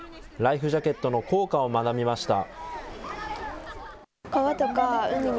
ライフジャケットの効果を学びました。